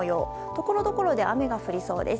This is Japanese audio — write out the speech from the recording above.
ところどころで雨が降りそうです。